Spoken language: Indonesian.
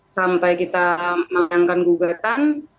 sampai kita melakukan gugatan